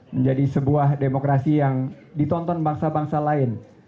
menjadi sebuah demokrasi yang ditonton bangsa bangsa lain